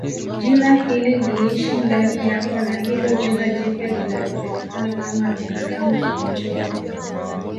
Jina hili liishi ndani yako na hilo jina jipya linalojulikana kama enkama enchorio